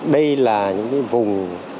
đây là những vùng